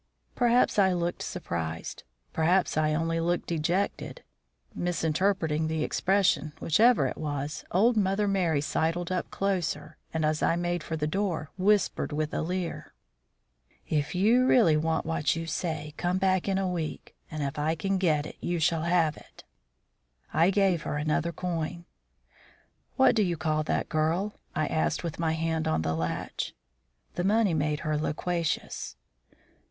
Perhaps I looked surprised; perhaps I only looked dejected. Misinterpreting the expression, whichever it was, old Mother Merry sidled up closer, and, as I made for the door, whispered with a leer: "If you really want what you say, come back in a week; and if I can get it you shall have it." I gave her another coin. "What do you call that girl?" I asked, with my hand on the latch. The money made her loquacious.